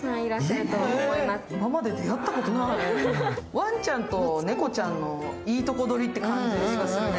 ワンちゃんと猫ちゃんのいいとこどりって感じするね。